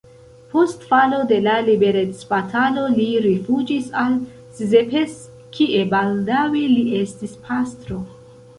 Post falo de la liberecbatalo li rifuĝis al Szepes, kie baldaŭe li estis pastro.